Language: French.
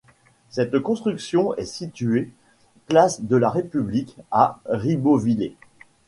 Cette construction est située place de la République à Ribeauvillé.